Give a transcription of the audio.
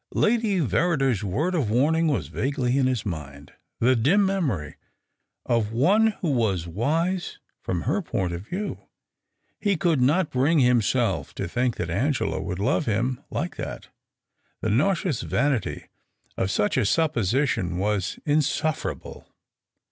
Lady Verrider's word of warning was vaguely in his mind — the dim memory of one who was wise from her point of view. He could not bring himself to think that Angela would love him like that. The nauseous vanity of such a supposition was insufferable.